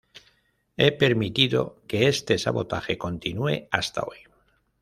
He permitido que este sabotaje continúe hasta hoy.